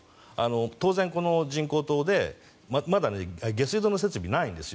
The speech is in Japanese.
当然、人工島でまだ下水道の設備ないんですよ。